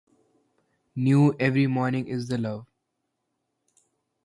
New every morning is the love.